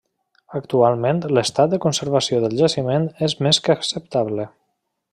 Actualment l’estat de conservació del jaciment és més que acceptable.